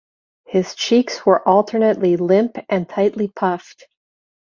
His cheeks were alternately limp and tightly puffed.